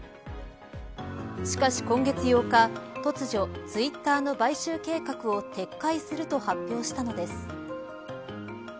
しかし、今月８日突如、ツイッターの買収計画を撤回すると発表したのです。